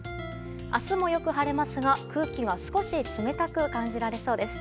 明日もよく晴れますが、空気が少し冷たく感じられそうです。